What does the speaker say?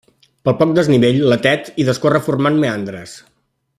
Pel poc desnivell, la Tet hi discorre formant meandres.